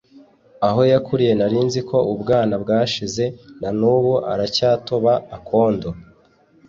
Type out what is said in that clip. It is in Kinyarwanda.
Aho yakuriye narinziko ubwana bwashize nanubu aracyatoba akondo